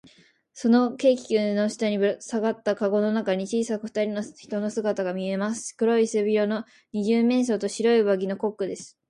その軽気球の下にさがったかごの中に、小さくふたりの人の姿がみえます。黒い背広の二十面相と、白い上着のコックです。